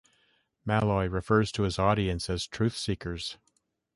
Malloy refers to his audience as "Truthseekers".